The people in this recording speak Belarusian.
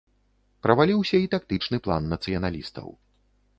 Праваліўся і тактычны план нацыяналістаў.